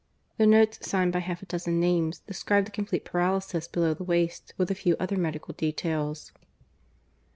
The notes, signed by half a dozen names, described the complete paralysis below the waist, with a few other medical details.